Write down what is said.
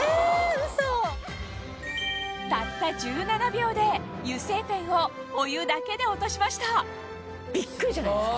たった１７秒で油性ペンをお湯だけで落としましたビックリじゃないですか？